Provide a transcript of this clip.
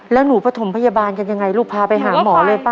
แล้วหนูประถมพยาบาลกันยังไงลูกพาไปหาหมอเลยป่